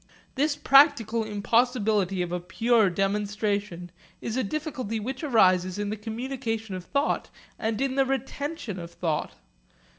This practical impossibility of pure demonstration is a difficulty which arises in the communication of thought and in the retention of thought.